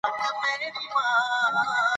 کور ته له ستنېدو وروسته یې سفرنامه ولیکله.